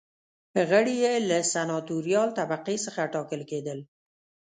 غړي یې له سناتوریال طبقې څخه ټاکل کېدل.